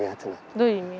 どういう意味？